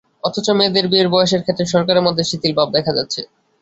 অথচ মেয়েদের বিয়ের বয়সের ক্ষেত্রে সরকারের মধ্যে শিথিল ভাব দেখা যাচ্ছে।